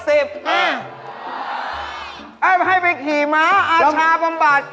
เอ้ยให้ไปขี่ม้าอาชารประบัติ